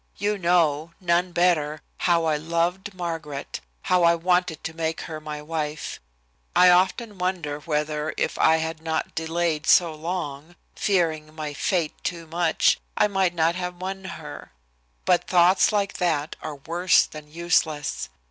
You know, none better, how I loved Margaret, how I wanted to make her my wife I often wonder whether if I had not delayed so long, 'fearing my fate too much,' I might not have won her. But thoughts, like that are worse than useless.